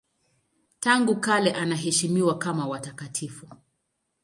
Tangu kale anaheshimiwa kama watakatifu.